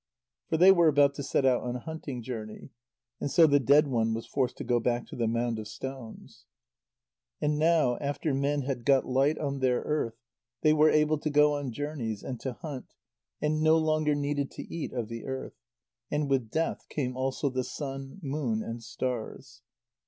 For they were about to set out on a hunting journey. And so the dead one was forced to go back to the mound of stones. And now, after men had got light on their earth, they were able to go on journeys, and to hunt, and no longer needed to eat of the earth. And with death came also the sun, moon and stars.